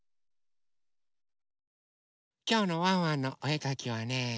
きょうの「ワンワンのおえかき」はね